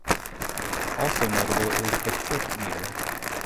Also notable is the "foot meter".